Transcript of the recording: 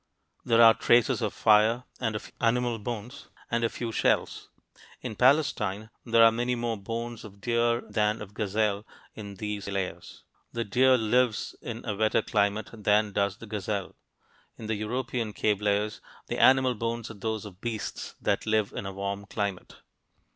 There are traces of fire, and of animal bones, and a few shells. In Palestine, there are many more bones of deer than of gazelle in these layers; the deer lives in a wetter climate than does the gazelle. In the European cave layers, the animal bones are those of beasts that live in a warm climate.